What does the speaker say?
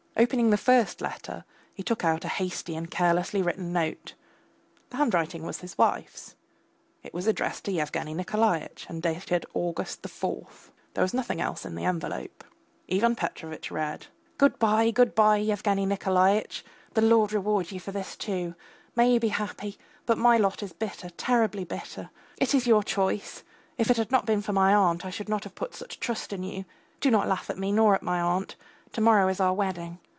Opening the first letter, he took out a hasty and carelessly written note. The handwriting was his wife's; it was addressed to Yevgeny Nikolaitch, and dated August the fourth. There was nothing else in the envelope. Ivan Petrovitch read: Good bye, good bye, Yevgeny Nikolaitch! The Lord reward you for this too. May you be happy, but my lot is bitter, terribly bitter! It is your choice. If it had not been for my aunt I should not have put such trust in you. Do not laugh at me nor at my aunt. To morrow is our wedding.